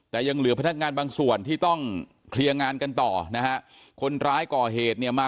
แต่ยังเหลือพนักงานบางส่วนที่ต้องเคลียร์งานกันต่อนะฮะคนร้ายก่อเหตุเนี่ยมา